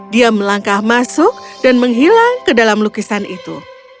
dia melangkah masuk dan menghilang ke dalam lukisan itu